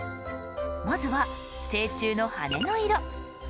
まずは成虫の羽の色。